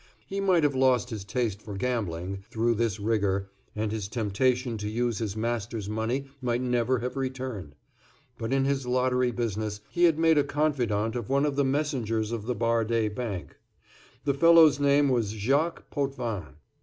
He might have lost his taste for gambling, through this rigor, and his temptation to use his master's money might never have returned; but in his lottery business he had made a confidant of one of the messengers of the Bardé Bank. The fellow's name was Jacques Potvin.